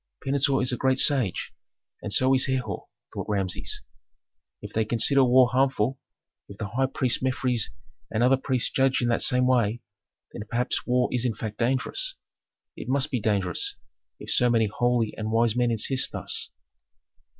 "Pentuer is a great sage, and so is Herhor," thought Rameses. "If they consider war harmful, if the high priest Mefres and other priests judge in the same way, then perhaps war is in fact dangerous. It must be dangerous, if so many holy and wise men insist thus."